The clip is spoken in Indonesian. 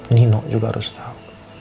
nino juga harus tau